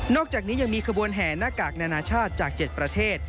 อกจากนี้ยังมีขบวนแห่หน้ากากนานาชาติจาก๗ประเทศ